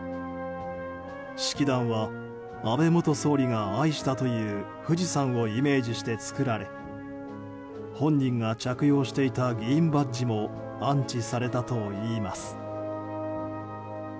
式壇は安倍元総理が愛したという富士山をイメージして作られ本人が着用していた議員バッジも安置されたといいます。